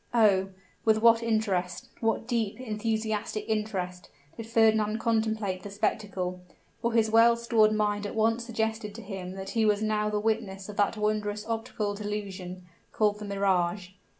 Oh! with what interest what deep, enthusiastic interest, did Fernand contemplate the spectacle; for his well stored mind at once suggested to him that he was now the witness of that wondrous optical delusion, called the mirage.